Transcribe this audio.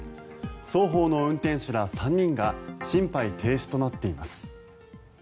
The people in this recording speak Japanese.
双方の運転手ら３人が心肺停止となっています。